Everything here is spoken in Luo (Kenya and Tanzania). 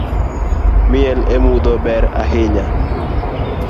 Miel emudho ber ahinya